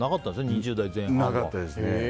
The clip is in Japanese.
２０代前半は。